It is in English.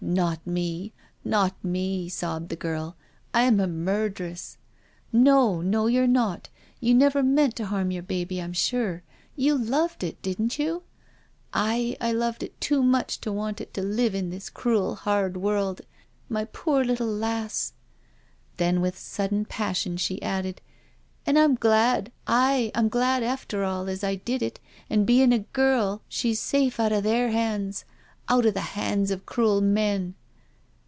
"Not me— not me," sobbed the girh " I'm a mur deress/* *• No, no, you're not — you never meant to harm your baby, I'm sure. You loved it, didn't you?" " Aye, I loved it too much to want it to live in this crool, hard world— my poor little lass." Then with sudden passion she added: "An' I'm glad, aye, I'm glad after all, as I did it, an' bein' a girl she's safef out of their hands ••. out of the hands of crool men."